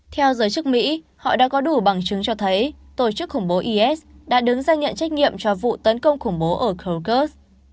theo giới chức mỹ họ đã có đủ bằng chứng cho thấy tổ chức khủng bố is đã đứng ra nhận trách nhiệm cho vụ tấn công khủng bố ở krogus